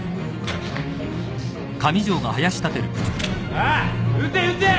・ああ撃て撃て！